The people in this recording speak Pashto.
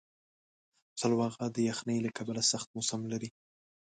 سلواغه د یخنۍ له کبله سخت موسم لري.